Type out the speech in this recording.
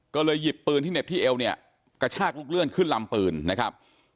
ก็เลยหยิบปืนที่เหน็บที่เอวเนี่ยกระชากลูกเลื่อนขึ้นลำปืนนะครับ